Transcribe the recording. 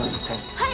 はい！